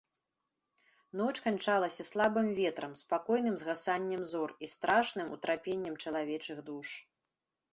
Ноч канчалася слабым ветрам, спакойным згасаннем зор і страшным утрапеннем чалавечых душ.